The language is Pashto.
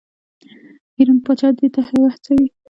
ایران پاچا دې ته وهڅوي.